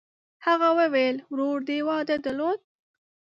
هغه وویل: «ورور دې واده درلود؟»